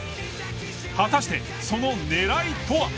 果たしてその狙いとは？